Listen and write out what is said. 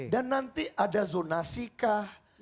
dan nanti ada zonasi kah